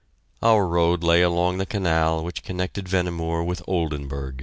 Our road lay along the canal which connected Vehnemoor with Oldenburg.